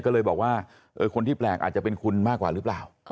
ก็เลยบอกว่าคนที่แปลกอาจจะเป็นคุณมากกว่าหรือเปล่า